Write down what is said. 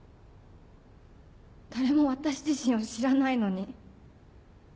誰も私自身を知らないのに。